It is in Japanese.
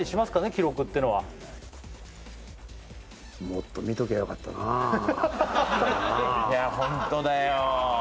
記録ってのはもっと見ときゃよかったないやホントだよ